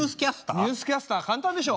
ニュースキャスター簡単でしょ。